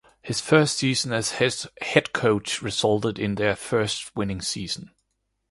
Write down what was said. His first season as head coach resulted in their first winning season.